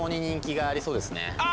あ！